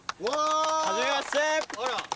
はじめまして！